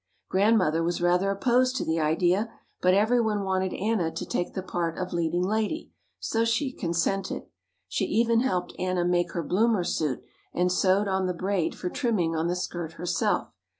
Grandmother was rather opposed to the idea, but every one wanted Anna to take the part of leading lady, so she consented. She even helped Anna make her bloomer suit and sewed on the braid for trimming on the skirt herself.